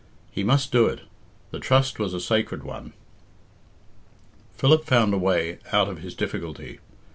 He must do it. The trust was a sacred one. Philip found a way out of his difficulty.